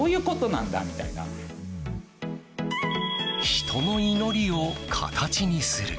人の祈りを形にする。